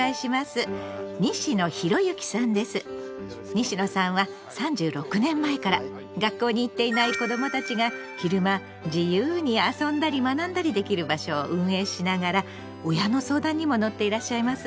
西野さんは３６年前から学校に行っていない子どもたちが昼間自由に遊んだり学んだりできる場所を運営しながら親の相談にも乗っていらっしゃいます。